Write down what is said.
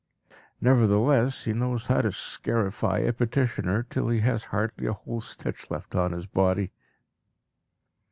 Nevertheless, he knows how to scarify a petitioner till he has hardly a whole stitch left on his body.